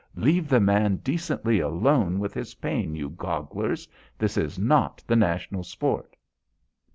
Leave the man decently alone with his pain, you gogglers. This is not the national sport."